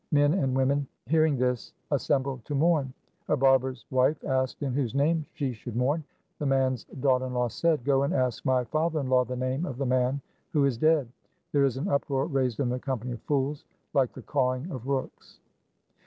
Men and women hearing this assembled to mourn. A barber's wife asked in whose name she should mourn . The man's daughter in law said, ' Go and ask my father in law the name of the man who is dead.' There is an uproar raised in the company of fools like the cawing of rooks.